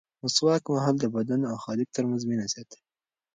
مسواک وهل د بنده او خالق ترمنځ مینه زیاتوي.